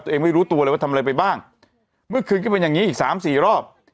ตัวเองไม่รู้ตัวเลยว่าทำอะไรไปบ้างเมื่อคืนก็มันอย่างนี้อีก๓๔รอบ